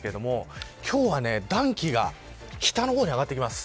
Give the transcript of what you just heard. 今日は暖気が北の方に上がってきます。